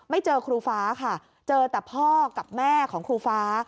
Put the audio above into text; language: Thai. เจอครูฟ้าค่ะเจอแต่พ่อกับแม่ของครูฟ้า